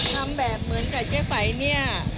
ทำแบบเหมือนกับเจ๊ไฝเนี่ย